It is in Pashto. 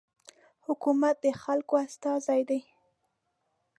حکومت د خلکو استازی دی.